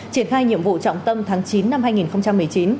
triển khai nhiệm vụ trọng tâm tháng chín năm hai nghìn một mươi chín